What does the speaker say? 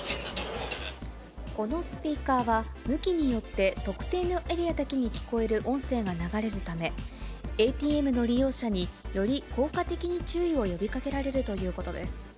このスピーカーは、向きによって特定のエリアだけに聞こえる音声が流れるため、ＡＴＭの利用者により効果的に注意を呼びかけられるということです。